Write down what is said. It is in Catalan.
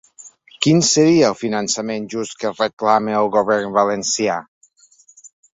Quin seria el finançament just que reclama el govern valencià?